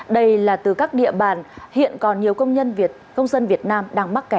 đây là từ các địa bàn hiện còn nhiều công dân việt nam đang mắc kẹt